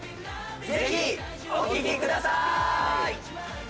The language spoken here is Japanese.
ぜひお聴きくださーい！